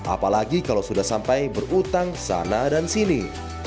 apalagi kalau sudah sampai berutang sana dan sini